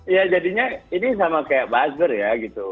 ya jadinya ini sama kayak buzzer ya gitu